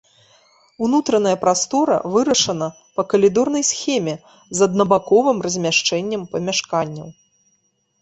Унутраная прастора вырашана па калідорнай схеме з аднабаковым размяшчэннем памяшканняў.